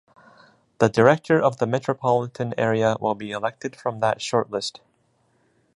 The Director of the Metropolitan Area will be elected from that shortlist.